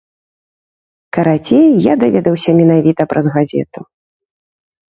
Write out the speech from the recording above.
Карацей, я даведаўся менавіта праз газету.